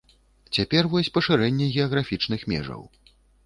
Цяпер вось пашырэнне геаграфічных межаў.